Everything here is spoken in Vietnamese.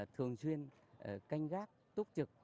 thường xuyên canh gác túc trực